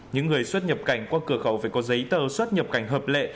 những người xuất nhập cảnh qua cửa khẩu phải có giấy tờ xuất nhập cảnh hợp lệ